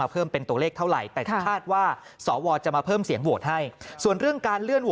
เป็นต้องมีการจัดตั้งรัฐบาลเร็ว